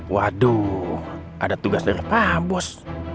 waduh ada tugas dari pak bos